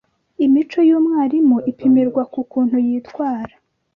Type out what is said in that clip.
Imico y’umwarimu ipimirwa ku kuntu yitwara